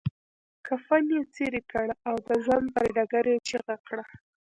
کفن يې څيري کړ او د ژوند پر ډګر يې چيغه کړه.